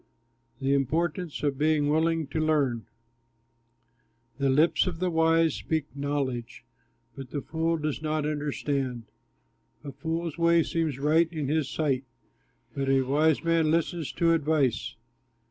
THE IMPORTANCE OF BEING WILLING TO LEARN The lips of the wise speak knowledge, But the fool does not understand. A fool's way seems right in his sight, But a wise man listens to advice.